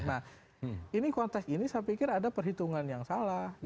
nah ini konteks ini saya pikir ada perhitungan yang salah